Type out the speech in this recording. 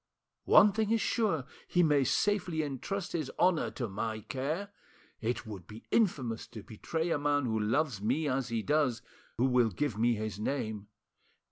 One thing is sure, he may safely entrust his honour to my care. It would be infamous to betray a man who loves me as he does, who will give me his name.